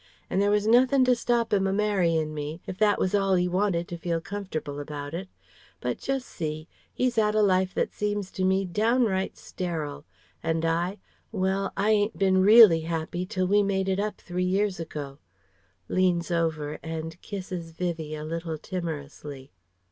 And there was nothin' to stop 'im a marryin' me, if that was all he wanted to feel comfortable about it. But jus' see. He's had a life that seems to me downright sterile, and I well, I ain't been really happy till we made it up three years ago" (leans over, and kisses Vivie a little timorously).